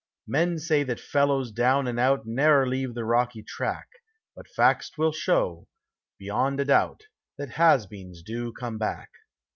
Men say that fellows down and out ne'er leave the rocky track, but facts will show, beyond a doubt, that has beens do come back.